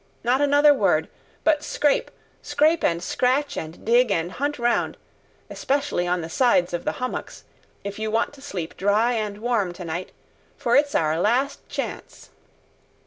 Not another word, but scrape—scrape and scratch and dig and hunt round, especially on the sides of the hummocks, if you want to sleep dry and warm to night, for it's our last chance!"